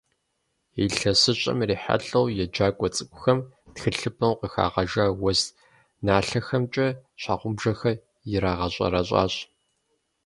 Илъэсыщӏэм ирихьэлӏэу еджакӏуэ цӏыкӏухэм тхылъымпӏэм къыхагъэжа уэс налъэхэмкӏэ щхьэгъубжэхэр ирагъэщӏэрэщӏащ.